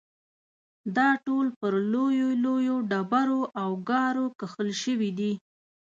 دا ټول پر لویو لویو ډبرو او ګارو کښل شوي دي.